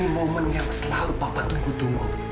ini momen yang selalu papa tunggu tunggu